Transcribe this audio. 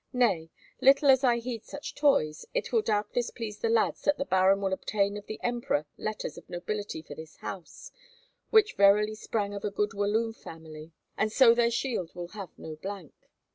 Nay, little as I heed such toys, it will doubtless please the lads that the baron will obtain of the Emperor letters of nobility for this house, which verily sprang of a good Walloon family, and so their shield will have no blank.